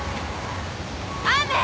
雨！